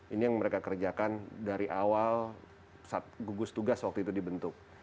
ini yang mereka kerjakan dari awal gugus tugas waktu itu dibentuk